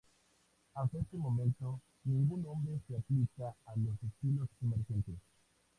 Hasta este momento, ningún nombre se aplica a los estilos emergentes.